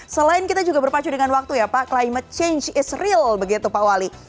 selain kita juga berpacu dengan waktu ya pak climate change is real begitu pak wali